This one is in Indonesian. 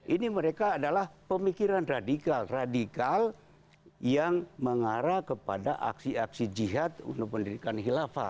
ini mereka adalah pemikiran radikal radikal yang mengarah kepada aksi aksi jihad untuk mendirikan hilafah